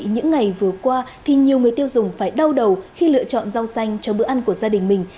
những ngày vừa qua thì nhiều người tiêu dùng phải đau đầu khi lựa chọn rau xanh cho bữa ăn của gia đình mình